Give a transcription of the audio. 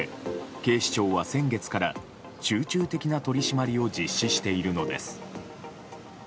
警視庁は、先月から集中的な取り締まりを実施しているのです。